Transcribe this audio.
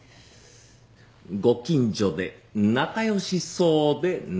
ご近所で仲良しそうで何よりだ。